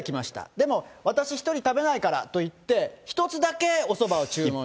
でも、私１人食べないからと言って、１つだけおそばを注文。